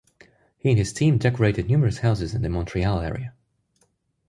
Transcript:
He and his team decorated numerous houses in the Montreal area.